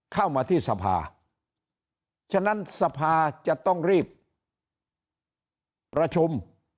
เข้ามาที่สภาฉะนั้นสภาจะต้องรีบประชุม